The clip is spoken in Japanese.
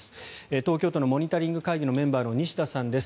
東京都のモニタリング会議のメンバーの西田さんです。